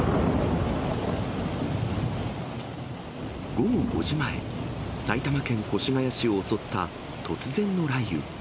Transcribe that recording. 午後５時前、埼玉県越谷市を襲った突然の雷雨。